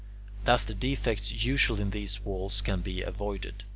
Thus the defects usual in these walls can be avoided.